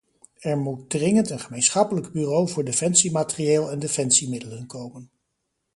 Er moet dringend een gemeenschappelijk bureau voor defensiematerieel en defensiemiddelen komen.